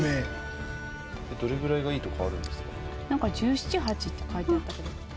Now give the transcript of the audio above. なんか１７１８って書いてあったけど。